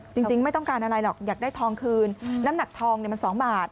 จริงไม่ต้องการอะไรหรอกอยากได้ทองคืนน้ำหนักทองมัน๒บาท